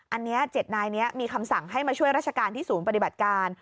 อันนี้๗นายนี้มีคำสั่งให้มาช่วยราชการที่ศูนย์ปฏิบัติการ